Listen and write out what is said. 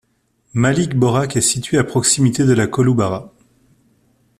Mali Borak est situé à proximité de la Kolubara.